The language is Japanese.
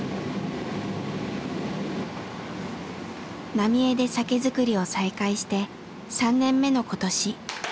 浪江で酒造りを再開して３年目のことし。